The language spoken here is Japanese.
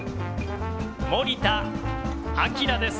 森田明です。